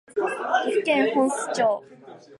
岐阜県本巣市